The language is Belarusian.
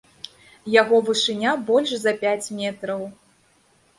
Яго вышыня больш за пяць метраў.